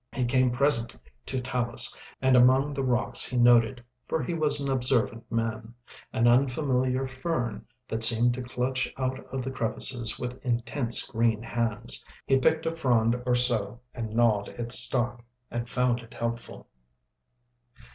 He came presently to talus, and among the rocks he noted—for he was an observant man—an unfamiliar fern that seemed to clutch out of the crevices with intense green hands. He picked a frond or so and gnawed its stalk, and found it helpful.